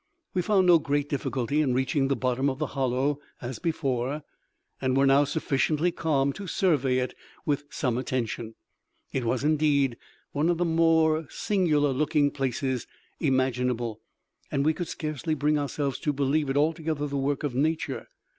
We found no great difficulty in reaching the bottom of the hollow as before, and were now sufficiently calm to survey it with some attention. It was, indeed, one of the most singular looking places imaginable, and we could scarcely bring ourselves to believe it altogether the work of nature.